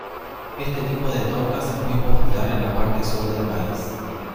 Este tipo de tortas es muy popular en la parte sur del país.